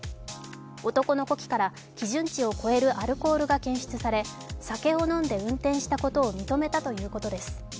男の呼気から基準値を超えるアルコールが検出され、酒を飲んで運転したことを認めたということです。